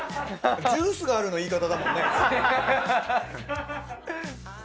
ジュースがあるの言い方だもんね。